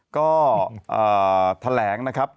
ก็แถลงนะครับ